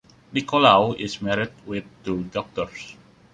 Nicolaou is married with two daughters.